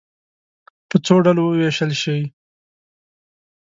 په څو ډلو وویشل شئ.